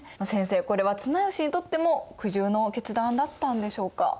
先生これは綱吉にとっても苦渋の決断だったんでしょうか？